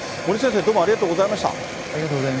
森内先生、ありがとうございました。